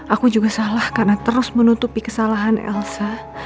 aku juga salah karena terus menutupi kesalahan elsa